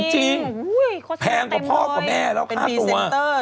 จริงแพงกว่าพ่อกว่าแม่แล้วค่าตัว